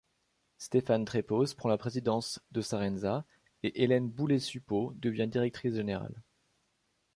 Stéphane Treppoz prend la présidence de Sarenza et Hélène Boulet-Supau devient directrice générale.